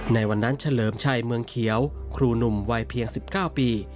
ในวันนั้นเฉลิมชัยเมืองเขียวครูหนุ่มวัยเพียง๑๙ปี